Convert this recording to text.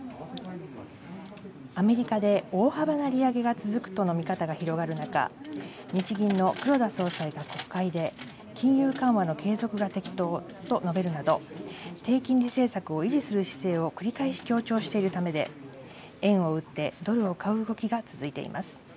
アメリカで大幅な利上げが続くとの見方が広がる中、日銀の黒田総裁が国会で金融緩和の継続が適当と述べるなど、低金利政策を維持する姿勢を繰り返し強調しているためで、円を売ってドルを買う動きが続いています。